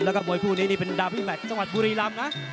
แล้วก็มวยคู่นี้นี่เป็นดาวพิแมทจังหวัดบุรีรำนะ